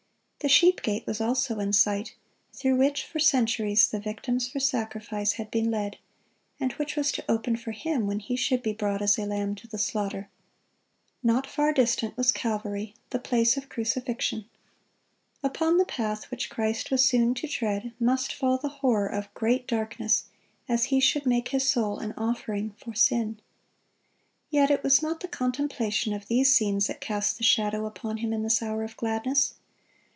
The sheep gate also was in sight, through which for centuries the victims for sacrifice had been led, and which was to open for Him when He should be "brought as a lamb to the slaughter."(4) Not far distant was Calvary, the place of crucifixion. Upon the path which Christ was soon to tread must fall the horror of great darkness as He should make His soul an offering for sin. Yet it was not the contemplation of these scenes that cast the shadow upon Him in this hour of gladness.